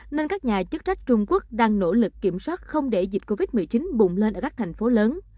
nên các nhà chức trách trung quốc đang nỗ lực kiểm soát không để dịch covid một mươi chín bùng lên ở các thành phố lớn